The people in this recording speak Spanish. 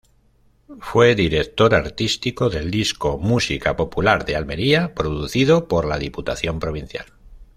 Fue director artístico del disco "Música Popular de Almería", producido por la Diputación Provincial.